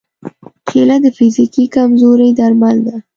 کېله د فزیکي کمزورۍ درمل ده.